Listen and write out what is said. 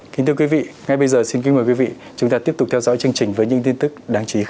kính thưa quý vị ngay bây giờ xin kính mời quý vị chúng ta tiếp tục theo dõi chương trình với những tin tức đáng chú ý khác